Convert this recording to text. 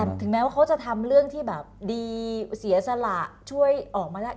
ถึงแม้ว่าเขาจะทำเรื่องที่แบบดีเสียสละช่วยออกมาได้